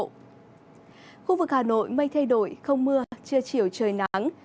khu vực hà nội mây thay đổi không mưa trưa chiều trời nắng